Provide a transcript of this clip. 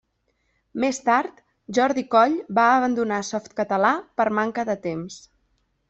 Més tard, Jordi Coll va abandonar Softcatalà per manca de temps.